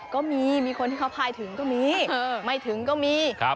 ก็มีมีคนที่เขาพายถึงก็มีไม่ถึงก็มี